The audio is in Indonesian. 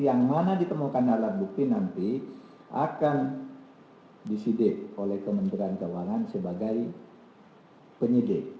yang mana ditemukan alat bukti nanti akan disidik oleh kementerian keuangan sebagai penyidik